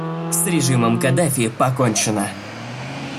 С режимом Каддафи покончено.